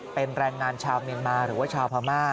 เป็นแรงงานชาวเมียนมาหรือว่าชาวพม่า